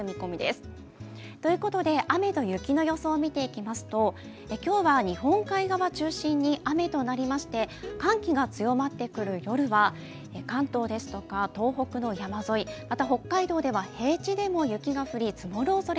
ということで、雨と雪の予想を見ていきますと、今日は日本海側を中心に雨となりまして寒気が強まってくる夜は関東ですとか東北の山沿い、北海道では平地でも雪が降ります。